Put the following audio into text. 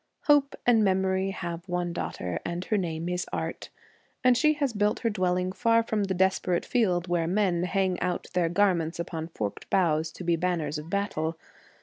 Hope and Memory have one daughter and her name is Art, and she has built her dwelling far from the desperate field where men hang out their garments upon forked boughs to be banners of battle.